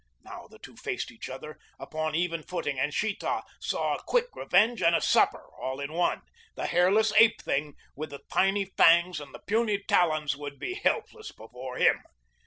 Now the two faced each other upon even footing and Sheeta saw a quick revenge and a supper all in one. The hairless ape thing with the tiny fangs and the puny talons would be helpless before him.